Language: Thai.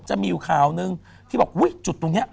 จะมีอยู่ข่าวนึงที่บอกอุ๊ยจุดตรงนี้